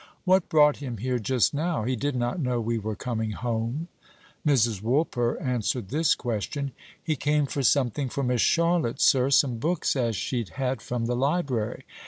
"What brought him here just now? He did not know we were coming home." Mrs. Woolper answered this question. "He came for something for Miss Charlotte, sir; some books as she'd had from the library.